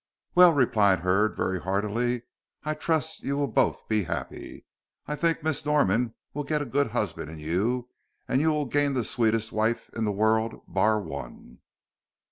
"Well," replied Hurd, very heartily, "I trust you will both be happy. I think Miss Norman will get a good husband in you, and you will gain the sweetest wife in the world bar one."